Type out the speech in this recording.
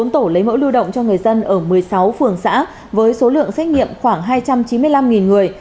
bốn tổ lấy mẫu lưu động cho người dân ở một mươi sáu phường xã với số lượng xét nghiệm khoảng hai trăm chín mươi năm người